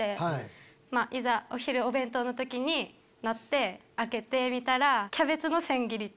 お昼お弁当の時になって開けてみたら。